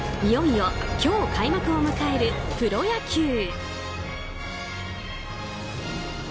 いよいよ今日開幕を迎えるプロ野球。